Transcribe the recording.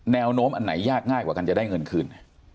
แนวโน้มอันไหนยากง่ายกว่ากันจะได้เงินคืน